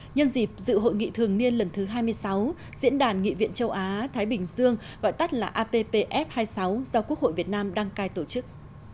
nhân dịp dự hội nghị thường niên lần thứ hai mươi sáu diễn đàn nghị viện châu á thái bình dương gọi tắt là appf hai mươi sáu do quốc hội việt nam đăng cai tổ chức